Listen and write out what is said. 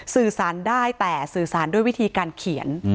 สื่อสารได้แต่สื่อสารด้วยวิธีการเขียน